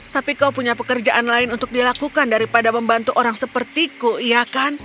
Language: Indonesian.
tapi kau punya pekerjaan lain untuk dilakukan daripada membantu orang sepertiku iya kan